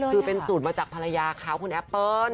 คือเป็นสูตรมาจากภรรยาเขาคุณแอปเปิ้ล